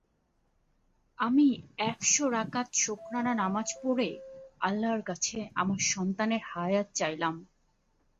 আমি এক শ রাকাত শোকরানা নামাজ পড়ে আল্লাহ্র কাছে আমার সন্তানের হায়াত চাইলাম।